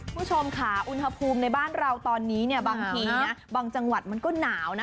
คุณผู้ชมค่ะอุณหภูมิในบ้านเราตอนนี้เนี่ยบางทีนะบางจังหวัดมันก็หนาวนะ